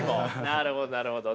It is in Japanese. なるほどなるほどね。